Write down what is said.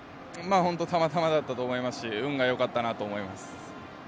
本当にたまたまだったと思いますし運がよかったなと思います。